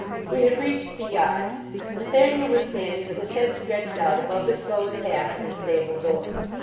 We had reached the yard. Nathaniel was standing with his head stretched out above the closed half of his stable door.